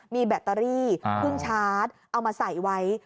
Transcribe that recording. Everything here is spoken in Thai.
มีแบตเตอรี่พึ่งชาร์จเอามาใส่ไว้